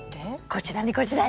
こちらにこちらに。